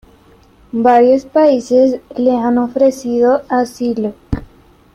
Varios países le han ofrecido asilo.